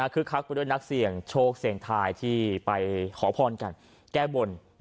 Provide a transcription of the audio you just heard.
คือคักไปด้วยนักเสี่ยงโชคเสี่ยงทายที่ไปขอพรกันแก้บน